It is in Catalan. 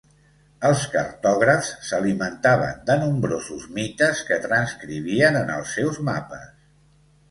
Els cartògrafs s'alimentaven de nombrosos mites que transcrivien en els seus mapes.